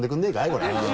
これ。